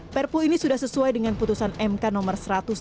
perpu ini sudah sesuai dengan putusan mk nomor satu ratus tujuh belas